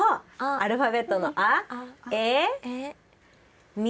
アルファベットのあ・え・み。